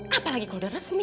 apalagi kalo udah resmi